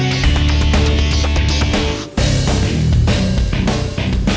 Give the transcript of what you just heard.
ini juga peder dipake gitu